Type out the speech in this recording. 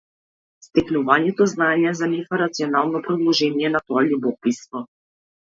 Стекнувањето знаење за нив е рационално продолжение на тоа љубопитство.